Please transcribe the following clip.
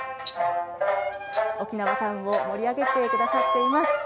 沖縄タウンを盛り上げてくださっています。